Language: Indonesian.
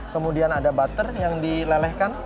kemudian ada butter yang dilelehkan